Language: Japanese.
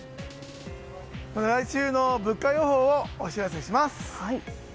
来週の物価予報をお知らせします。